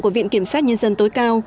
cảnh sát nhân dân tối cao